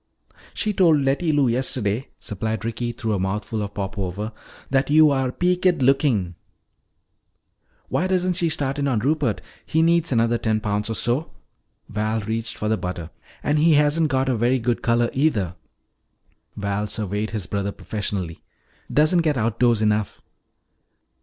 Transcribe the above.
"She told Letty Lou yesterday," supplied Ricky through a mouthful of popover, "that you are 'peaked lookin'." "Why doesn't she start in on Rupert? He needs another ten pounds or so." Val reached for the butter. "And he hasn't got a very good color, either." Val surveyed his brother professionally. "Doesn't get outdoors enough."